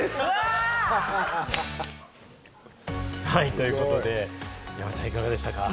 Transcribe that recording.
ということで山ちゃん、いかがでしたか？